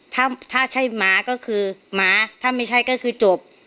ถ้าถ้าใช่หมาก็คือหมาถ้าไม่ใช่ก็คือจบ